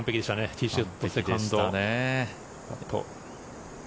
ティーショットセカンドパット。